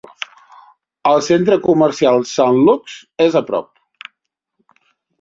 El centre comercial Sant Lukes és a prop.